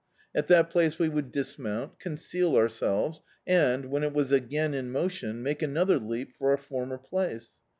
At that place we would dismount, conceal ourselves, and, when it was again in motion, make another leap for our former place.